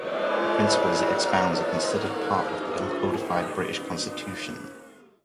The principles it expounds are considered part of the uncodified British constitution.